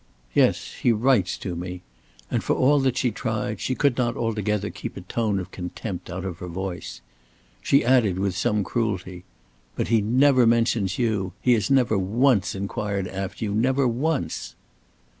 "Yes, he writes to me," and for all that she tried, she could not altogether keep a tone of contempt out of her voice. She added with some cruelty: "But he never mentions you. He has never once inquired after you, never once."